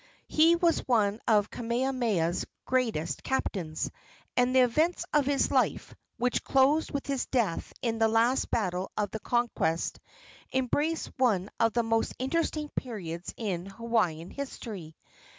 He was one of Kamehameha's greatest captains, and the events of his life, which closed with his death in the last battle of the conquest, embrace one of the most interesting periods in Hawaiian history.